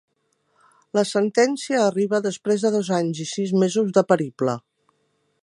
La sentència arriba després de dos anys i sis mesos de periple.